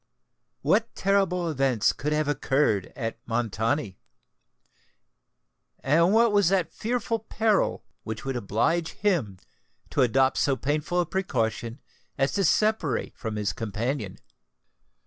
what terrible events could have occurred at Montoni? and what was that fearful peril which would oblige him to adopt so painful a precaution as to separate from his companion?